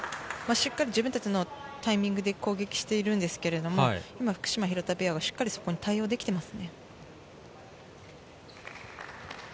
しっかり自分たちのタイミングで攻撃してるんですが、今、福島・廣田ペアがしっかりそこに対応できています。